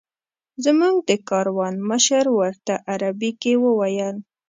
زموږ د کاروان مشر ورته عربي کې وویل.